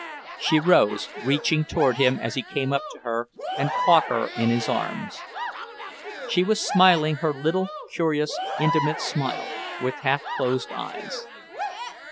She rose, reaching toward him as he came up to her and caught her in his arms. She was smiling her little, curious intimate smile, with half closed eyes.